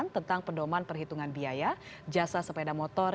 tentang pedoman perhitungan biaya jasa sepeda motor